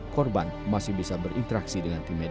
korban masih bisa berinteraksi dengan kakak